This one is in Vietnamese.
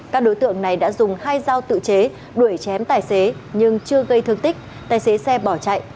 các đối tượng này đã dùng hai dao tự chế đuổi chém tài xế nhưng chưa gây thương tích tài xế xe bỏ chạy